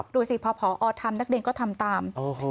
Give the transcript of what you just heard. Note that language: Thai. ดูสิพอผอทำนักเรียนก็ทำตาม